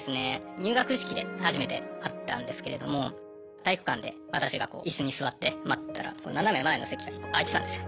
入学式で初めて会ったんですけれども体育館で私が椅子に座って待ってたら斜め前の席が１個空いてたんですよ。